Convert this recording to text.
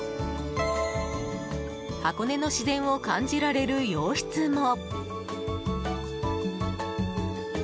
箱根の自然を感じられる洋室も。